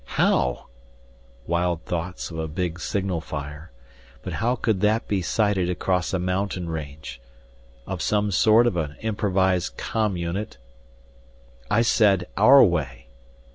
"How?" Wild thoughts of a big signal fire But how could that be sighted across a mountain range. Of some sort of an improvised com unit "I said our way."